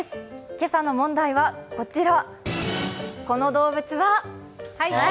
今朝の問題はこちら。